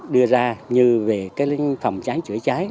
đưa ra như về phòng cháy chữa cháy